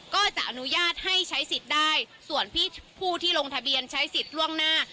ก็จะอนุญาตให้ใช้สิทธิ์ได้ส่วนผู้ที่ลงทะเบียนใช้สิทธิ์ล่วงหน้า